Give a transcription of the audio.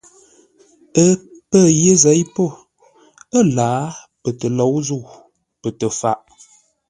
Ə́ pə̂ yé zěi po ə́lǎa pətəlǒu-zə̂u, pə tə-faʼ.